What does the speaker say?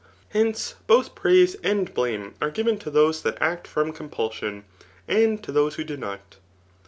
Hence, both praise and blame are given to those that act from compulsion, and to those who do not.